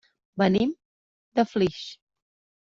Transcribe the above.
Venim de Flix.